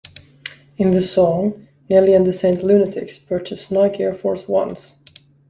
In the song, Nelly and the Saint Lunatics purchase Nike Air Force Ones.